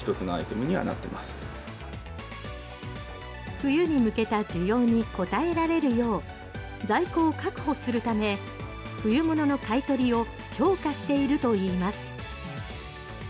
冬に向けた需要に応えられるよう在庫を確保するため冬物の買い取りを強化しているといいます。